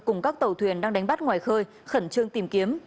cùng các tàu thuyền đang đánh bắt ngoài khơi khẩn trương tìm kiếm